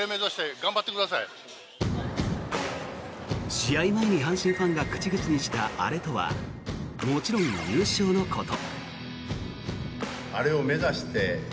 試合前に阪神ファンが口々にしたアレとはもちろん優勝のこと。